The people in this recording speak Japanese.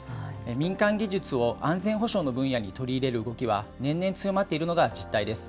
民間技術を安全保障の分野に取り入れる動きは、年々強まっているのが実態です。